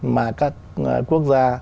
mà các quốc gia